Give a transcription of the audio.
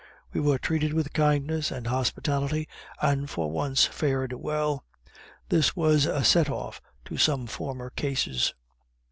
We were treated with kindness and hospitality, and for once fared well. This was a set off to some former cases.